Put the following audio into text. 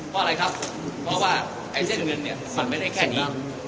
เพราะว่าเซ่นเงินมันไม่ได้แค่นี้